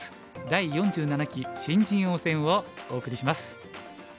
第４７期新人王戦」をお送りします。